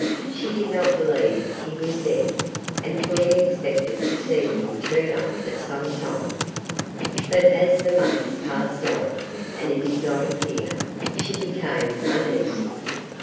She did not believe he was dead, and fully expected to see him turn up some time; but as the months passed on, and he did not appear, she became uneasy.